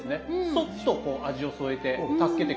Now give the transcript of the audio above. そっとこう味を添えて助けてくれるという。